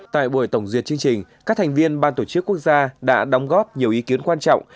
tại buổi tổng duyệt chương trình các thành viên ban tổ chức quốc gia đã đóng góp nhiều ý kiến quan trọng